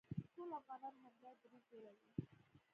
ټول افغانان همدا دریځ ولري،